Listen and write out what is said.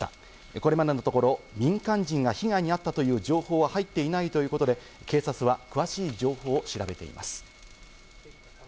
これまでのところ、民間人が被害に遭ったという情報は入っていないということで、警察は詳しい情報を調べています。